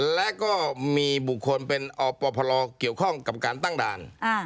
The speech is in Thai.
และก็มีบุคคลเป็นอปพลเกี่ยวข้องกับการตั้งด่าน